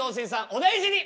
お大事に！